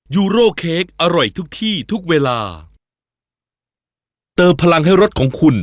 ยูโร่เค้กอร่อยทุกที่ทุกเวลาเติมพลังให้รสของคุณ